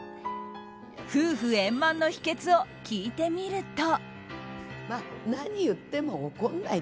夫婦円満の秘訣を聞いてみると。